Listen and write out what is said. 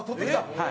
はい。